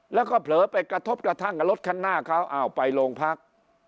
แล้วก็เผลอไปกระทบกระทั่งกับรถคันหน้าเขาอ้าวไปโรงพัก